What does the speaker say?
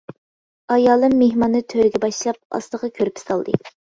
ئايالىم مېھماننى تۆرگە باشلاپ ئاستىغا كۆرپە سالدى.